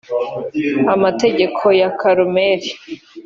amategeko ya karumeli